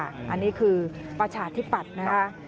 อันนี้คือประชาธิปัตย์นะคะ